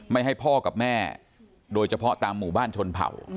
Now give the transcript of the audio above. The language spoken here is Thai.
ไม่ให้พ่อกับแม่โดยเฉพาะตามหมู่บ้านชนเผ่า